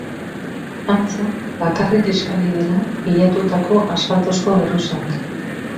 Antza, bakarrik kiskali dira pilatutako asfaltozko geruzak.